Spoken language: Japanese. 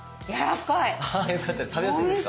食べやすいですか？